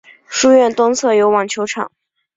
书院东侧有网球场。